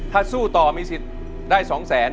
ถ้าสู้ต่อมีสิทธิ์ได้๒แสน